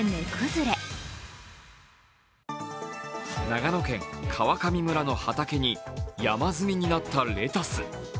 長野県川上村の畑に山積みになったレタス。